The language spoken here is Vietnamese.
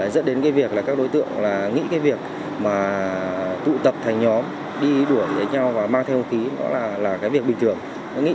dẫn đến cái việc là các đối tượng nghĩ cái việc mà tụ tập thành nhóm đi đuổi với nhau và mang theo không khí đó là cái việc bình thường